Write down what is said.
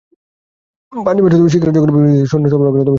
পাঞ্জাবের শিখ রাজ্যগুলি ব্রিটিশদের সৈন্য সরবরাহ করে সমর্থন জোগায়।